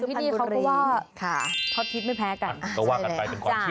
มีโอกาสไปกันที่ดีเขาก็ว่า